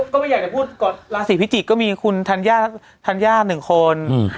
ก็ไม่อยากจะพูดก่อนราศีพิจิกก็มีคุณธัญญาธัญญา๑คน